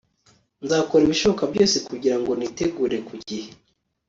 Nzakora ibishoboka byose kugirango nitegure ku gihe